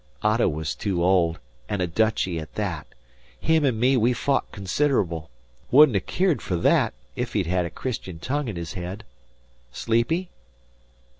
Otto was too old, an' a Dutchy at that. Him an' me we fought consid'ble. 'Wouldn't ha' keered fer that ef he'd hed a Christian tongue in his head. Sleepy?"